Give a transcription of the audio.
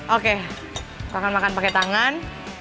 oke akan makan pakai tangan